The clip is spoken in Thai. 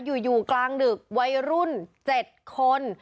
อยู่อยู่กลางดึกวัยรุ่นเจ็ดคน